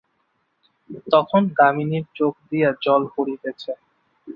তখন দামিনীর চোখ দিয়া জল পড়িতেছে।